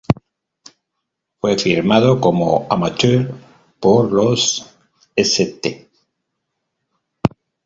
Fue firmado como amateur por los St.